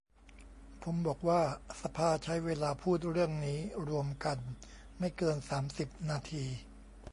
ผมบอกว่าสภาใช้เวลาพูดเรื่องนี้รวมกันไม่เกิน สามสิบ นาที